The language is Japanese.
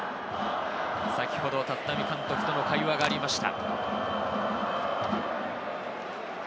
先ほど立浪監督との会話がありました。